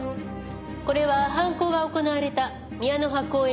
これは犯行が行われた宮ノ葉公園